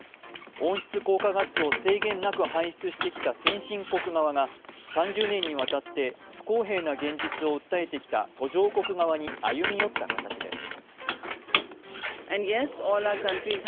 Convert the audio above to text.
温室効果ガスを制限なく排出してきた先進国側が３０年にわたって不公平な現実を訴えてきた途上国側に歩み寄った形です。